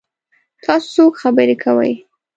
تاسو څوک خبرې کوئ؟